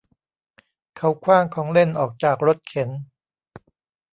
เขาขว้างของเล่นออกจากรถเข็น